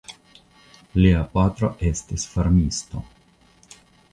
Lia patro estis farmisto.